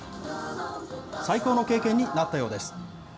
最高の経験になったようです。